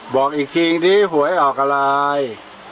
บอกอีกคริ่งที่หัวให้ออกอะไร